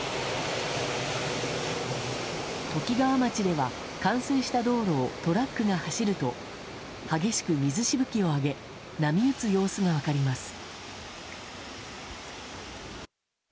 ときがわ町では冠水した道路をトラックが走ると激しく水しぶきを上げ波打つ様子が分かります。